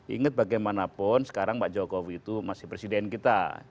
ingat bagaimanapun sekarang pak jokowi itu masih presiden kita